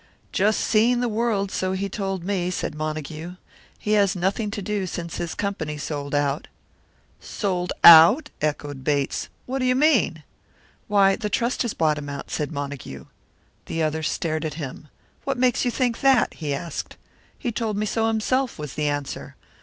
"Just seeing the world, so he told me," said Montague. "He has nothing to do since his company sold out." "Sold out!" echoed Bates. "What do you mean?" "Why, the Trust has bought him out," said Montague. The other stared at him. "What makes you think that?" he asked. "He told me so himself," was the answer.